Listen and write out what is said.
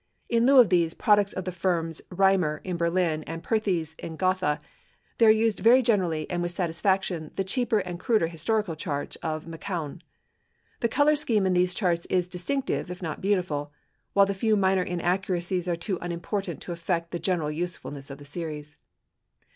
In lieu of these products of the firms of Reimer, in Berlin, and Perthes, in Gotha, there are used very generally and with satisfaction the cheaper and cruder historical charts of MacCoun. The color scheme in these charts is distinctive if not beautiful, while the few minor inaccuracies are too unimportant to affect the general usefulness of the series.